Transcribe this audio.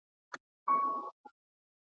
نه صیاد نه قفس وینم قسمت ایښی راته دام دی .